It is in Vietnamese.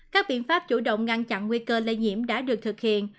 các biện pháp chủ động ngăn chặn nguy cơ lây nhiễm đã được thực hiện